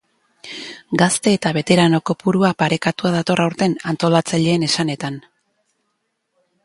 Gazte eta beterano kopurua parekatua dator aurten antolatzaileen esanetan.